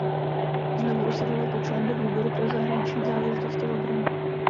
Znovu usedl jako člen do výboru pro zahraniční záležitosti a obranu.